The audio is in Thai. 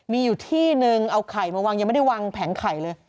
มีอยู่ที่นึงเอาไข่มาวางยังไม่ได้วางแผงไข่เลย